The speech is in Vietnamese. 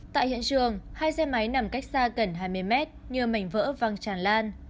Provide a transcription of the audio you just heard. tại hiện trường hai xe máy nằm cách xa gần hai mươi mét như mảnh vỡ văng tràn lan